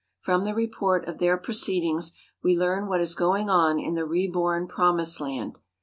From the report of their proceedings we learn what is going on in the reborn Promised Land.